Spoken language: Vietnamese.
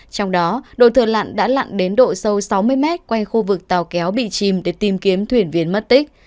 trong đó đội thừa lặn đã lặn đến độ sâu sáu mươi mét quanh khu vực tàu kéo bị chìm để tìm kiếm thuyền viên mất tích